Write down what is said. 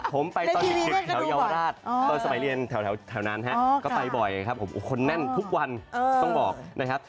ผมไปตอนเด็กแถวเยาวราชตอนสมัยเรียนแถวนั้นก็ไปบ่อยครับผมคนแน่นทุกวันต้องบอกนะครับ